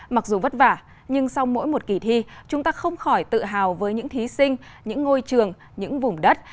mặc dù vất vả nhưng sau mỗi một kỳ thi chúng ta không khỏi tự hào với những thí sinh những ngôi trường những vùng đất